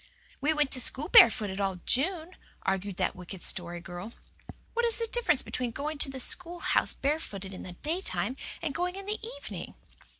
"We went to school barefooted all June," argued that wicked Story Girl. "What is the difference between going to the schoolhouse barefooted in the daytime and going in the evening?"